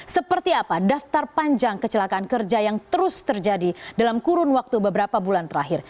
seperti apa daftar panjang kecelakaan kerja yang terus terjadi dalam kurun waktu beberapa bulan terakhir